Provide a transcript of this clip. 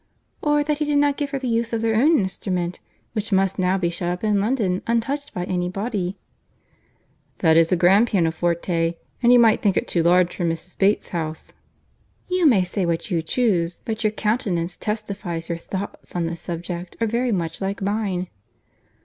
"Or that he did not give her the use of their own instrument—which must now be shut up in London, untouched by any body." "That is a grand pianoforte, and he might think it too large for Mrs. Bates's house." "You may say what you chuse—but your countenance testifies that your thoughts on this subject are very much like mine."